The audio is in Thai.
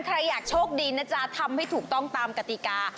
ใครอยากโชคดีนะจ๊ะทำให้ถูกต้องตามกติกา